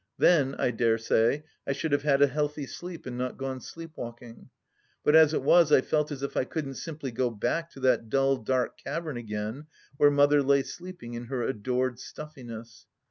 Then, I dare say, I should have had a healthy sleep and not gone sleep walking. ... But as it was I felt as if I couldn't simply go back to that dull dark cavern again where Mother lay sleeping in her adored stuffiness.